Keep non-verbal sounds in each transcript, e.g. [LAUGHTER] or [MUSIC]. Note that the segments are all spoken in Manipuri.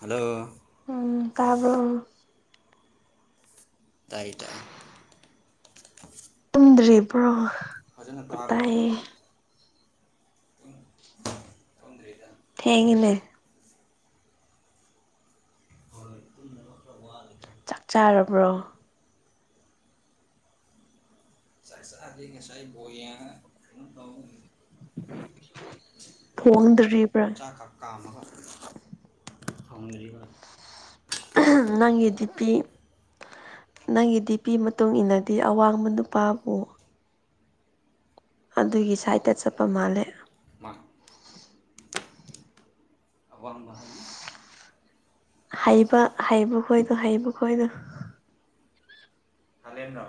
ꯍꯥꯜꯂꯣ ꯎꯝ ꯇꯥꯕ ꯇꯥꯏ ꯇꯥꯏ ꯇꯨꯝꯗ꯭ꯦꯔꯤꯕ꯭ꯔꯣ ꯐꯖꯅ ꯇꯥꯕ꯭ꯔꯥ ꯇꯣꯡꯗ꯭ꯔꯔꯤꯗ ꯊꯦꯡꯅꯦ ꯎꯅꯈ꯭ꯔ ꯋꯥ ꯆꯛ ꯆꯥꯔꯕ꯭ꯔꯣ ꯆ ꯁꯗꯤ ꯉꯁꯥꯏ ꯕꯣꯌꯥ ꯇ ꯊꯣꯡꯗ꯭ꯔꯤꯕ꯭ꯔꯥ ꯀꯥꯃꯒ ꯊꯥꯎꯗꯔꯤ ꯅꯪꯒꯤ ꯗꯤꯄꯤ ꯅꯪꯒꯤ ꯗꯤꯄꯤꯤ ꯃꯇꯨꯡ ꯏꯟꯅꯗꯤ ꯑꯋꯥꯡꯕ ꯅꯨꯄꯥꯕꯨ ꯑꯗꯨꯒꯤ ꯁꯥꯏꯠꯇ ꯆꯠꯄ ꯃꯥꯜꯂꯦ ꯃꯥ ꯑꯋꯥ ꯃꯈ ꯍꯥꯏꯥꯏ ꯍꯩꯕ ꯍꯩꯕ ꯈꯣꯏꯅꯣ ꯍꯩꯕ ꯈꯣꯏꯅꯣ ꯐꯂꯦꯅ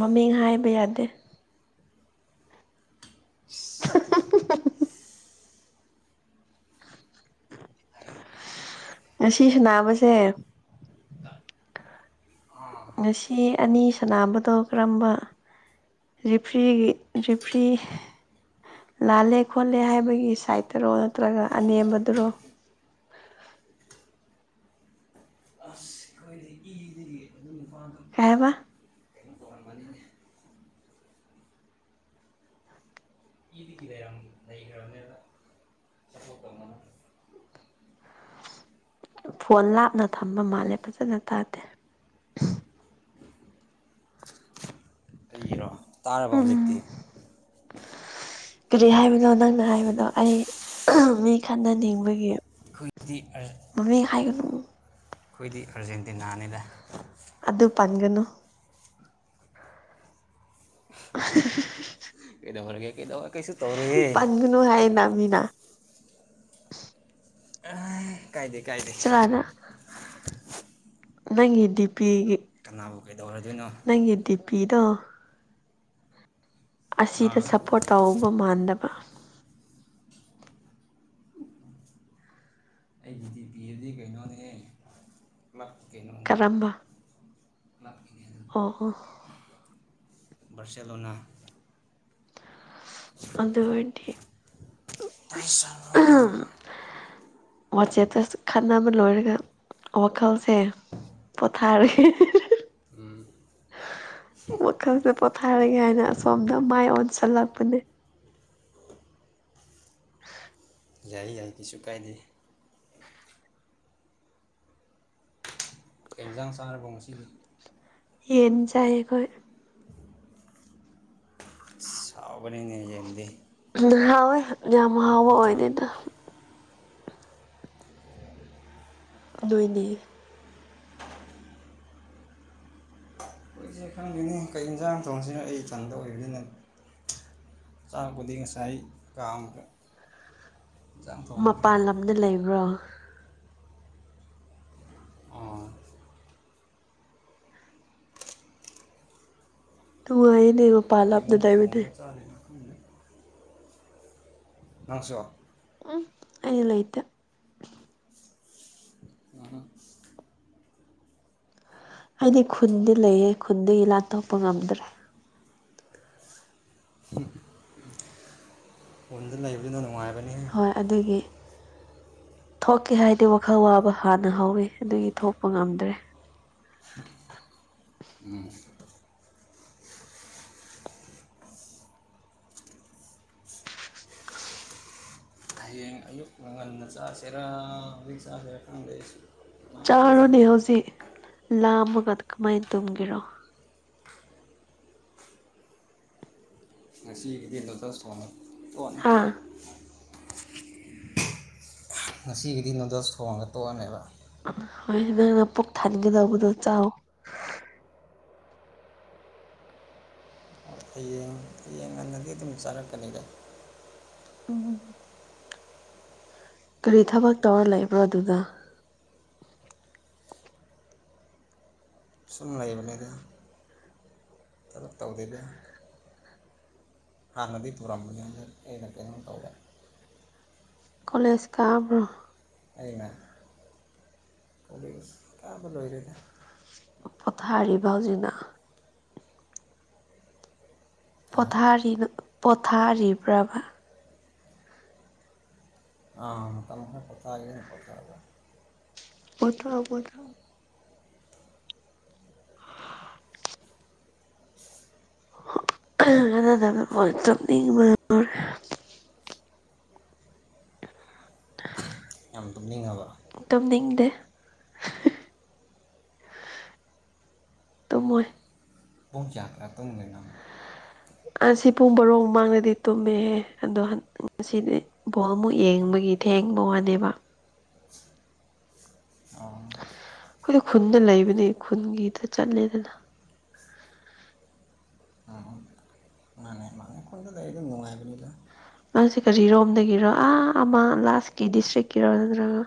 ꯃꯃꯤꯡ ꯍꯥꯏꯕ ꯌꯥꯗꯦ [UNINTELLIGIBLE] ꯉꯁꯤꯁꯨꯅꯥꯕꯁꯦ ꯑꯥ ꯉꯁꯤ ꯑꯅꯤ ꯁꯥꯟꯅꯥꯅꯕꯗꯣ ꯀꯔꯝꯕ ꯖꯤꯔꯤꯐ꯭ꯔꯤ ꯖꯤꯔꯤꯐ꯭ꯔꯤ ꯂꯥꯜꯂꯦ ꯈꯣꯠꯂꯦ ꯍꯥꯏꯕꯒꯤ ꯁꯥꯏꯠꯇꯔꯣ ꯅꯠꯇ꯭ꯔꯒ ꯑꯅꯦꯝꯕꯗꯨꯔꯣ ꯑꯁ ꯀꯦ ꯏꯗꯒꯤ ꯑꯗꯨ ꯄꯥ ꯀꯩ ꯍꯥꯏꯕ ꯐꯣꯟꯕꯅꯤꯅꯦ ꯀꯌꯥꯝ ꯂꯩꯈ꯭ꯔꯕꯃꯦꯕ ꯀꯣ ꯀ ꯐꯣꯟ ꯂꯥꯞꯅ ꯊꯝꯕ ꯃꯥꯜꯂꯦ ꯐꯖꯅ ꯇꯥꯗꯦ ꯑꯩꯒꯤꯔꯣ ꯇꯥꯔꯕ ꯍꯧꯖꯤꯛꯇꯤ ꯎꯝ ꯀꯔꯤ ꯍꯥꯏꯕꯅꯣ ꯅꯪꯅ ꯍꯥꯏꯕꯗꯣ ꯑꯩ ꯃꯤ ꯈꯟꯅꯅꯤꯡꯕꯒꯤ ꯑꯩꯨꯏꯗꯤ ꯃꯃꯤꯡ ꯍꯥꯏꯒꯅꯨ ꯑꯩꯈꯣꯏꯗꯤ ꯑꯔꯖꯦꯟꯇꯤꯅꯥꯅꯤꯗ ꯑꯗꯨ ꯄꯟꯒꯅꯨ [UNINTELLIGIBLE] [UNINTELLIGIBLE] ꯀꯩꯗꯧꯔꯒꯦ ꯀꯩꯗꯧꯧꯕꯔ ꯀꯩꯁꯨ ꯇꯧꯔꯑꯦ ꯅꯨ ꯍꯥꯏꯌꯦꯅ ꯃꯤꯅꯥ ꯑ ꯀꯥꯏꯗꯦ ꯀꯥꯏꯗꯦ ꯆꯂꯅ ꯅꯪꯒꯤ ꯗꯤ ꯄꯤꯒꯤ ꯀꯅꯥꯕꯨ ꯀꯩꯗꯧꯔꯗꯣꯏꯅꯣ ꯑꯩꯒꯤ ꯗꯤ ꯄꯤꯗꯣ ꯑꯁꯤꯗ ꯑꯥ ꯁꯞꯄꯣꯔꯠ ꯇꯧꯕ ꯃꯥꯟꯗꯕ ꯑꯩꯒꯤ ꯗꯤ ꯄꯤ ꯑꯦꯗꯤ ꯀꯩꯅꯣꯅꯦ ꯀ꯭ꯂ꯭ꯂꯞꯀꯅꯅꯦ ꯀꯔꯝꯕ ꯀ꯭ꯂꯞꯀꯤꯅꯦ ꯑꯗꯨ ꯑꯣ ꯑꯣ ꯕꯔꯁꯦꯂꯣꯅꯥ ꯑꯗꯨ ꯑꯣꯏꯔꯗꯤ [UNINTELLIGIBLE] ꯑꯥꯍꯝ [UNINTELLIGIBLE] ꯋꯥꯆꯦꯞꯇ ꯈꯠꯅꯕ ꯂꯣꯏꯔꯒ ꯋꯥꯈꯜꯁꯦ ꯄꯣꯊꯔꯤ [UNINTELLIGIBLE] ꯋꯥꯈꯥꯜꯁꯦ ꯄꯣꯊꯥꯔꯤꯒꯦ ꯍꯥꯏꯅ ꯑꯁꯣꯝꯗ ꯃꯥꯏ ꯑꯣꯟꯁꯤꯜꯂꯛꯄꯅꯦ ꯌꯥꯏ ꯌꯥꯏ ꯀꯁꯨ ꯀꯥꯏꯗꯦ ꯀꯩ ꯌꯦꯟꯖꯥꯡ ꯆꯥꯔꯕꯣ ꯉꯁꯤꯗꯤ ꯌꯦꯟ ꯆꯥꯏ ꯑꯩꯈꯣꯏ ꯍꯥꯎꯕꯅꯤꯅ ꯌꯦꯟꯗꯤ ꯍꯥꯎꯋꯦ ꯌꯥꯝ ꯍꯥꯎꯕ ꯅꯠꯇ꯭ꯔꯣ ꯑꯣꯏꯗꯦꯗ ꯅꯣꯏꯗꯤ ꯑꯩꯈꯣꯏꯁꯦ ꯈꯪꯗꯦꯅꯤ ꯀꯩ ꯌꯦꯟꯁꯥꯡ ꯊꯣꯡꯁꯤꯅꯣ ꯑꯩ ꯊꯟꯗ ꯑꯣꯏꯕꯅꯤꯅ ꯆꯥꯀꯄꯨꯗꯤ ꯉꯥꯁꯥꯏ ꯀꯥꯝꯈꯔ꯭ꯦ ꯃꯄꯥꯟ ꯂꯝꯗ ꯂꯩꯕ꯭ꯔꯣ ꯑꯥ ꯅꯨꯪꯉꯥꯏꯌꯦꯅꯦ ꯑꯩ ꯃꯨꯛ ꯊꯣꯉꯥ ꯆꯅꯤꯅ ꯈꯪꯗꯦ ꯅꯪꯁꯣ ꯎꯝ ꯑꯩꯗꯤ ꯂꯩꯇꯦ ꯎꯝ ꯍꯥꯏꯗꯤ ꯈꯨꯟꯗꯤ ꯂꯩꯌꯦ ꯈꯨꯟꯗꯒꯤ ꯂꯥꯟꯊꯣꯛꯄ ꯉꯝꯗ꯭ꯔꯦ ꯈꯨꯟꯗ ꯂꯩꯕꯗꯨꯅꯥ ꯅꯨꯡꯉꯥꯏꯕꯅꯦ ꯍꯣꯏ ꯑꯗꯨꯒꯤ ꯊꯣꯛꯀꯦ ꯍꯥꯏꯗꯤ ꯋꯥꯈꯜ ꯋꯥꯕ ꯍꯥꯟꯅ ꯍꯧꯋꯤ ꯑꯗꯨꯒꯤ ꯊꯣꯛꯄ ꯉꯝꯗ꯭ꯔꯦ ꯎꯝ ꯍꯌꯦꯡ ꯑꯌꯨꯛ ꯉꯟꯅ ꯆꯥꯁꯦꯔꯥ ꯍꯧꯖꯤꯛ ꯆꯥꯁꯦꯔꯤ ꯈꯪꯗꯦ ꯑꯩꯁꯨ ꯀꯃꯥꯏꯅ ꯇꯧꯗꯣꯏꯅꯣ ꯆꯥꯔꯨꯅꯦ ꯈꯪꯗꯦ ꯍꯧꯖꯤꯛ ꯂꯥꯝꯃꯒ ꯀꯃꯥꯏꯅ ꯇꯨꯝꯒꯦꯔꯣ ꯉꯁꯤꯒꯤꯗꯤ ꯅꯨꯗꯜ꯭ꯁ ꯊꯣꯉꯥ ꯊꯣꯛ ꯑꯅꯤ ꯍꯥ ꯉꯁꯤꯒꯤꯗꯤ ꯅꯨꯗꯜ꯭ꯁ ꯊꯣꯡꯒ ꯇꯣꯛꯑꯅꯦꯕ ꯍꯣꯏ ꯅꯪꯅ ꯄꯨꯛ ꯊꯥꯟꯒꯗꯧꯕꯗꯣ ꯆꯥꯎ ꯍꯌꯦꯡ ꯍꯥꯌꯦꯡ ꯉꯥꯟꯅꯗꯤ ꯑꯗꯨꯝ ꯆꯥꯔꯛꯀꯅꯤꯗ ꯎꯝ ꯀꯔꯤ ꯊꯕꯛ ꯇꯧꯔ ꯂꯩꯕ꯭ꯔꯣ ꯑꯗꯨꯗꯥ ꯁꯨꯝ ꯂꯩꯕꯅꯤꯗ ꯊꯕꯛ ꯇꯧꯗꯦꯗ ꯍꯥꯟꯅꯗꯤ ꯄꯨꯔꯝꯕꯅꯤ ꯑꯦꯅ ꯀꯦꯅꯣ ꯇꯧꯋꯦ ꯀꯣꯂꯦꯖ ꯀꯥꯕ꯭ꯔꯣ ꯑꯩꯅ ꯀꯣꯂꯦꯖ ꯀꯥꯕ ꯂꯣꯏꯔꯦꯗꯥ ꯄꯣꯊꯥꯔꯤꯕ ꯍꯧꯖꯤꯛꯅꯥ ꯍꯥ ꯄꯣꯊꯥꯔꯤ ꯄꯣꯊꯥꯔꯤꯕ꯭ꯔꯕ ꯑꯥ ꯃꯇꯝ ꯈꯔꯥ ꯄꯣꯊꯥꯒꯦꯅ ꯄꯣꯊꯕꯥ ꯄꯣꯊꯥꯎ ꯄꯣꯊꯥꯎ [UNINTELLIGIBLE] [UNINTELLIGIBLE] ꯇꯨꯝꯅꯤꯡꯕꯅꯥ ꯉꯥꯎꯔꯦ ꯌꯥꯝ ꯇꯨꯝꯅꯤꯡꯉꯕ ꯇꯨꯝꯅꯤꯡꯗꯦ ꯇꯨꯝꯃꯣꯏ ꯄꯨꯡ ꯀꯌꯥ ꯇꯨꯝꯗꯣꯏꯅꯣ ꯑꯁꯤ ꯄꯨꯡ ꯚꯔꯣ ꯃꯃꯥꯡꯗꯗꯤ ꯇꯨꯝꯃꯦꯍꯦ ꯑꯗꯣ ꯉꯁꯤꯗꯤ ꯕꯣꯜ ꯑꯃꯨꯛ ꯌꯦꯡꯕꯒꯤ ꯊꯦꯡꯕ ꯋꯥꯅꯦꯕ ꯑꯣ ꯑꯩꯈꯣꯏꯗꯤ ꯈꯨꯟꯗꯥ ꯂꯩꯕꯅꯦ ꯈꯨꯟꯒꯤꯗ ꯆꯠꯂꯦꯗꯅ ꯑꯥ ꯑꯥ ꯃꯥꯥꯟꯅꯦ ꯃꯥꯟꯅꯦ ꯈꯨꯟꯗ ꯂꯩꯔꯗꯤ ꯅꯨꯡꯉꯥꯏꯕꯅꯤꯗ ꯅꯪꯁꯤ ꯀꯔꯤꯔꯣꯝꯗꯒꯤꯔꯣ ꯑꯥ ꯑꯃ ꯂꯥꯁꯀꯤ ꯗꯤꯁꯇ꯭ꯔꯤꯛꯀꯤꯔꯣ ꯅꯠꯇ꯭ꯔꯒ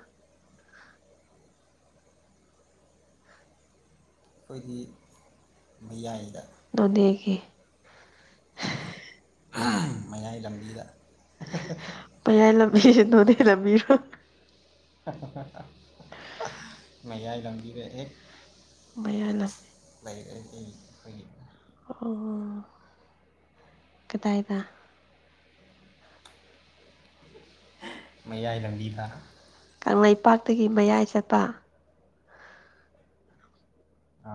ꯑꯩꯈꯣꯏꯒꯤ ꯃꯌꯥꯏꯗ ꯅꯣꯟꯅꯦꯒꯤ ꯃꯌꯥꯏ ꯂꯝꯕꯤꯗ [UNINTELLIGIBLE] ꯃꯌꯥꯏ ꯂꯝꯕꯤꯁꯦ ꯅꯣꯅꯦ ꯂꯝꯕꯤꯔꯣ [UNINTELLIGIBLE] ꯃꯌꯥꯏ ꯂꯝꯕꯤꯗ ꯍꯦꯛ ꯃꯌꯥꯏ ꯂꯝꯕꯤ ꯂꯩ [UNINTELLIGIBLE] ꯑꯣ ꯀꯗꯥꯥꯏꯗ ꯃꯌꯥꯏ ꯂꯝꯕꯤꯗ ꯀꯪꯂꯩꯄꯥꯛꯇꯒꯤ ꯃꯌꯥꯏ ꯆꯠꯄ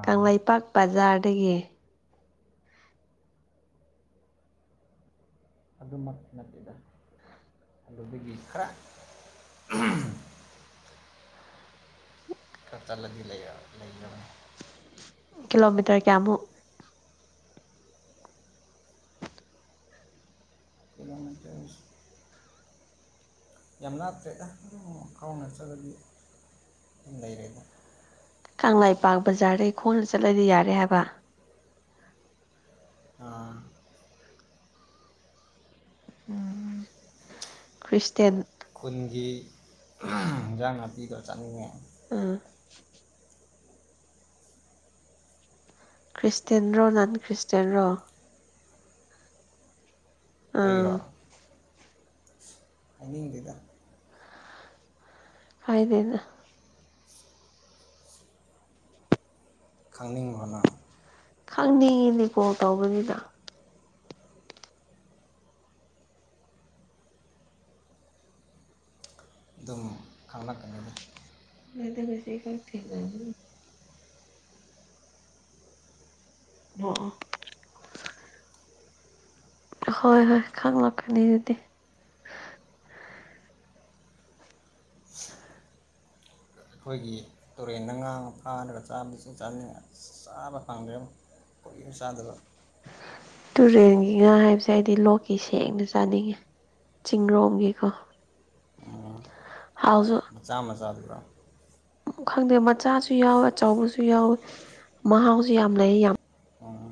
ꯀꯪꯂꯩꯄꯥꯛ ꯕꯖꯥꯔꯗꯒꯤ ꯑꯗꯨꯃꯛ ꯅꯠꯇꯦꯗ ꯑꯗꯨꯗꯒꯤ ꯈꯔ ꯈꯔ ꯆꯠꯂꯗꯤ ꯂꯩ [UNINTELLIGIBLE] ꯀꯂꯣꯃꯤꯇꯔ ꯀꯌꯥꯃꯨꯛ ꯀꯤꯂꯣꯃꯤꯇꯔ [UNINTELLIGIBLE] ꯌꯥꯝ ꯂꯥꯞꯇ꯭ꯔꯦꯗ ꯑꯗꯨꯝ ꯈꯣꯟꯅ ꯆꯠꯂꯗꯤ ꯑꯗꯨꯝ ꯂꯩꯔꯦꯗ ꯀꯪꯂꯩꯄꯥꯛ ꯕꯖꯥꯔꯗꯒꯤ ꯈꯣꯡꯅ ꯆꯠꯂꯗꯤ ꯌꯥꯔꯦ ꯍꯥꯏꯕ ꯑꯥ ꯎꯝ ꯈ꯭ꯔꯤꯁꯇꯦꯟ ꯈꯨꯟꯒꯤ ꯍꯦꯟꯖꯥꯡ ꯅꯥꯄꯤꯒ ꯆꯥꯅꯤꯡꯉꯦ ꯑꯥ ꯈ꯭ꯔꯤꯁꯇꯌꯥꯦꯟ ꯔꯣ ꯅꯟ ꯈ꯭ꯔꯤꯁꯇꯌꯥꯦꯟ ꯔꯣ ꯑꯩꯔꯣ ꯑꯥ ꯍꯥꯏꯅꯤꯡꯗꯦꯗ ꯍꯥꯏꯗꯦꯅ ꯈꯪꯅꯤꯡꯕ꯭ꯔꯣ ꯅꯪ ꯈꯪꯅꯤꯡꯉꯤꯅꯦ ꯀꯣꯜ ꯇꯧꯕꯒꯤꯗ ꯑꯗꯨꯝ ꯈꯪꯪꯂꯛꯀꯅꯤꯗ ꯃꯣꯏꯗꯤ [UNINTELLIGIBLE] ꯑꯣꯑꯣ ꯍꯣꯏ ꯍꯣꯏ ꯈꯪꯂꯛꯀꯅꯤ ꯑꯗꯨꯗꯤ ꯑꯩꯈꯣꯏꯒꯤ ꯇꯨꯔꯦꯟꯗ ꯉꯥꯡꯒ ꯐꯥꯔꯒ ꯆꯥꯕꯁꯨ ꯆꯥꯅꯤꯡꯉ ꯆꯥꯕ ꯐꯪꯗ꯭ꯔꯦꯗ ꯀꯨꯏꯔꯦ ꯆꯥꯗꯕ ꯇꯨꯔꯦꯟꯒꯤ ꯉꯥ ꯍꯥꯏꯕꯁꯦ ꯍꯥꯏꯗꯤ ꯂꯣꯛꯀꯤ ꯁꯦꯡꯗꯨ ꯆꯥꯅꯤꯡꯉꯤ ꯆꯤꯡꯔꯣꯝꯒꯤꯀꯣ ꯍꯥꯎꯁꯨ ꯃꯆꯥ ꯃꯆꯥ ꯗꯨꯔꯣ ꯈꯪꯗꯦ ꯃꯆꯥꯁꯨ ꯌꯥꯎꯋꯤ ꯑꯆꯧꯕꯁꯨ ꯌꯥꯎꯋꯤ ꯃꯍꯥꯎꯁꯨ ꯌꯥꯝ ꯂꯩ ꯌꯥꯝ ꯑꯣ